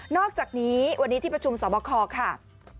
อกจากนี้วันนี้ที่ประชุมสอบคอค่ะ